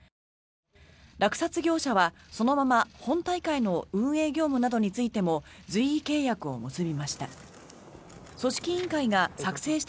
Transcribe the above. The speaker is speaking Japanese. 落札業者は、そのまま本大会の運営業務などについても随意契約を結びました。